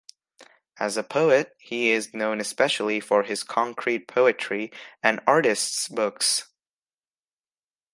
As a poet he is known especially for his concrete poetry and artist's books.